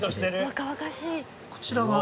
若々しい。